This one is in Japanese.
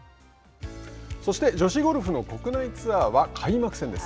そして、女子ゴルフの国内ツアーは開幕戦です。